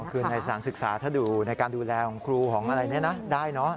คือในสารศึกษาถ้าดูในการดูแลของครูของอะไรนี้นะได้เนอะ